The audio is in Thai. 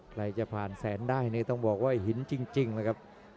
ใครจะผ่านแสนได้นี่ต้องบอกว่าหินจริงนะครับ